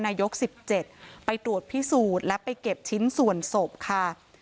นายก๑๗ไปตรวจพิสูจน์และไปเก็บชิ้นส่วนศพค่ะ